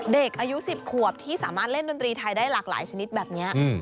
เด็กอายุ๑๐ขวบที่สามารถเล่นดนตรีไทยได้หลากหลายชนิดแบบนี้